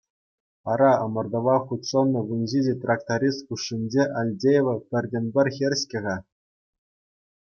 Ара, ӑмӑртӑва хутшӑннӑ вунҫичӗ тракторист хушшинче Альдеева пӗртен-пӗр хӗр-ҫке-ха!